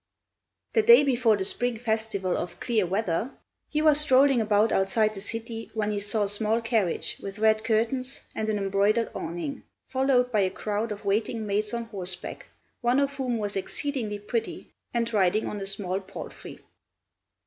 The day before the spring festival of Clear Weather, he was strolling about outside the city when he saw a small carriage with red curtains and an embroidered awning, followed by a crowd of waiting maids on horseback, one of whom was exceedingly pretty, and riding on a small palfrey.